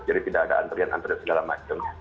jadi tidak ada antrian antrian segala macam